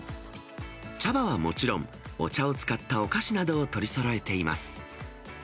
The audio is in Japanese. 茶葉はもちろん、お茶を使ったお菓子などを取りそろえています。